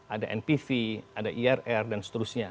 ada npv ada irr dan seterusnya